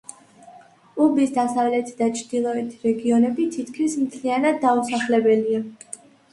უბის დასავლეთი და ჩრდილოეთი რეგიონები თითქმის მთლიანად დაუსახლებელია.